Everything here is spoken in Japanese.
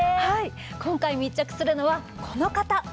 今回、密着するのはこの方。